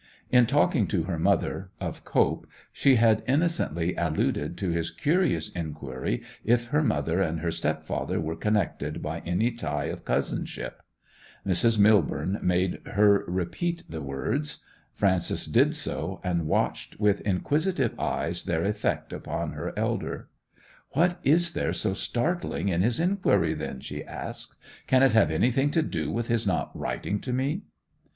In talking to her mother of Cope she had innocently alluded to his curious inquiry if her mother and her step father were connected by any tie of cousinship. Mrs. Millborne made her repeat the words. Frances did so, and watched with inquisitive eyes their effect upon her elder. 'What is there so startling in his inquiry then?' she asked. 'Can it have anything to do with his not writing to me?